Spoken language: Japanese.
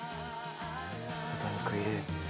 豚肉入れて。